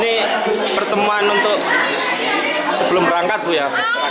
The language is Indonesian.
ini pertemuan untuk sebelum berangkat bu ya